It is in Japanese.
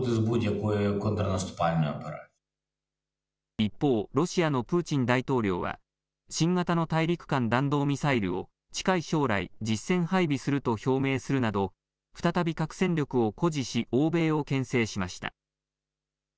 一方、ロシアのプーチン大統領は新型の大陸間弾道ミサイルを近い将来実戦配備すると表明するなど再び核戦力を誇示し欧米をけん制しました。